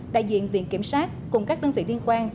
đại diện viện kiểm sát cùng các đơn vị liên quan